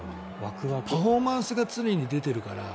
パフォーマンスが常に出ているから。